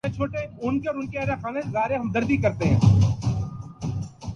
ٹیلیریٹ ایک برقیائی مالی معلومات کا نظام فراہم کرتی ہے